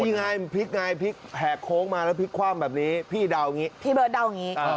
มีไงมันพลิกไงแหกโค้งมาแล้วพลิกคว่ำแบบนี้พี่เดาอย่างนี้